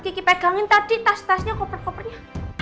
kiki pegangin tadi tas tasnya koper kopernya